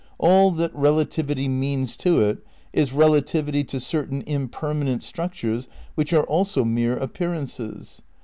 All that relativity means to it is relativity to certain impermanent structures which are also mere appearances.